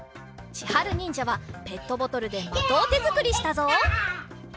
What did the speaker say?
ちはるにんじゃはペットボトルでまとあてづくりしたぞ。